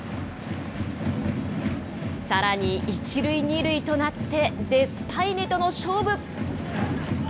さらに１塁２塁となって、デスパイネとの勝負。